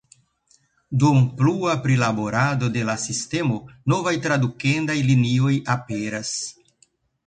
Dum plua prilaborado de la sistemo, novaj tradukendaj linioj aperas.